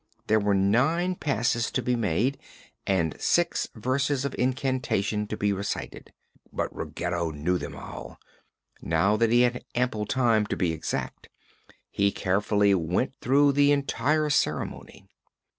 There were nine passes to be made and six verses of incantation to be recited; but Ruggedo knew them all. Now that he had ample time to be exact, he carefully went through the entire ceremony.